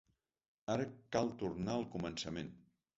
Ara cal tornar al començament.